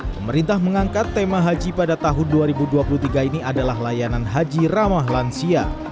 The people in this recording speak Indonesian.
pemerintah mengangkat tema haji pada tahun dua ribu dua puluh tiga ini adalah layanan haji ramah lansia